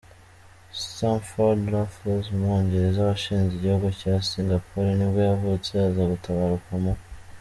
Stamford Raffles, umwongereza washinze igihugu cya Singapore nibwo yavutse, aza gutabaruka mu .